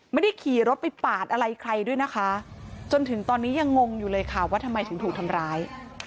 ไม่ได้ขี่รถไปปาดอะไรใครด้วยนะคะจนถึงตอนนี้ยังงงอยู่เลยค่ะว่าทำไมถึงถูกทำร้าย